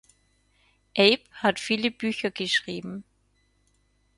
Abe hat viele Bücher geschrieben.